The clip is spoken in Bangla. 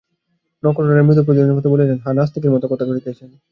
নক্ষত্ররায় মৃদু প্রতিধ্বনির মতো বলিলেন, হাঁ, নাস্তিকের মতো কথা কহিতেছেন।